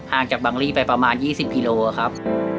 จากบังลี่ไปประมาณ๒๐กิโลครับ